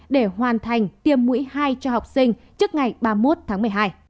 để hoàn thành tiêm mũi hai cho học sinh trước ngày ba mươi một tháng một mươi hai